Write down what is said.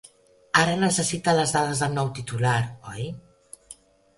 Ara necessita les dades del nou titular, oi?